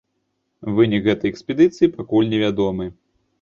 Вынік гэтай экспедыцыі пакуль невядомы.